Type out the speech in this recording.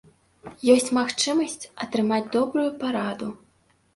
Ёсць магчымасць атрымаць добрую параду.